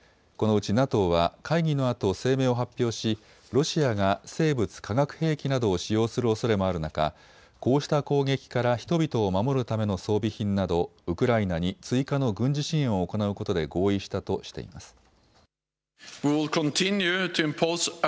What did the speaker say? このうちＮＡＴＯは会議のあと声明を発表し、ロシアが生物・化学兵器などを使用するおそれもある中、こうした攻撃から人々を守るための装備品などウクライナに追加の軍事支援を行うことで合意したとしています。